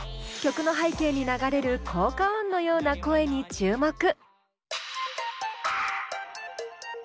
曲の背景に流れる効果音のような「声」に注目！